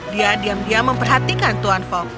dia diam diam memperhatikan tuan fok